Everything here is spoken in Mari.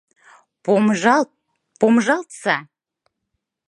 Помыжалт, помыжалтса!